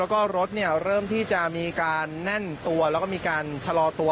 แล้วก็รถเริ่มที่จะมีการแน่นตัวแล้วก็มีการชะลอตัว